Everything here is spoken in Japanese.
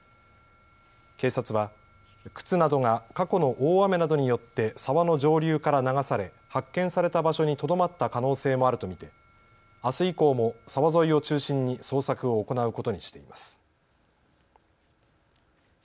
警察は靴などが過去の大雨などによって沢の上流から流され発見された場所にとどまった可能性もあると見てあす以降も沢沿いを中心に捜索を行うことにしています。